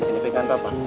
sini pikirkan papa